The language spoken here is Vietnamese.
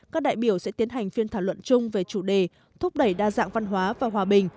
các đại biểu sẽ tiến hành phiên thảo luận chung về chủ đề thúc đẩy đa dạng văn hóa và hòa bình